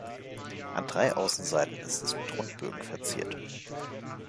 An drei Außenseiten ist es mit Rundbögen verziert.